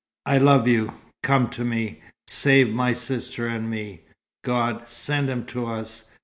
"I love you. Come to me. Save my sister and me. God, send him to us.